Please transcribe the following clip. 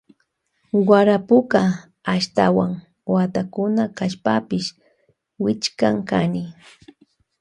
Warapuka ashtawan watakuna kashpapash wichikan chani.